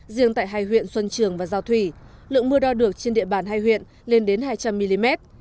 riêng tại hai huyện xuân trường và giao thủy lượng mưa đo được trên địa bàn hai huyện lên đến hai trăm linh mm